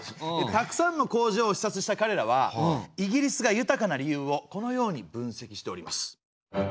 たくさんの工場を視察したかれらはイギリスが豊かな理由をこのようにぶんせきしております。